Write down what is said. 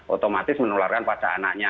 otomatis menularkan pada anaknya